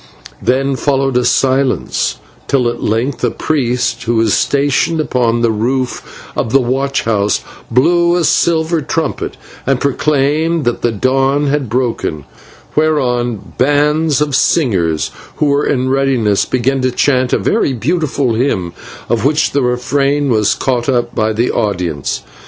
Then followed a silence, till at length a priest who was stationed upon the roof of the watch house blew a silver trumpet and proclaimed that the dawn was broken, whereon bands of singers who were in readiness began to chant a very beautiful hymn of which the refrain was caught up by the audience.